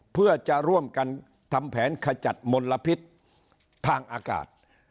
เพื่อจะร่วมกันทำแผนขจัดมลพิษทางอากาศ